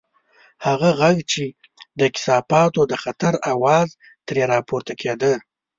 هغه غږ چې د کثافاتو د خطر اواز ترې راپورته کېده.